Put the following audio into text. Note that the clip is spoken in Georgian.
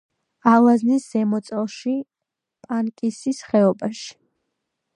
ალაზნის ზემოწელში, პანკისის ხეობაში.